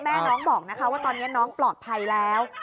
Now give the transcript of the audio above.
น้องบอกนะคะว่าตอนนี้น้องปลอดภัยแล้ว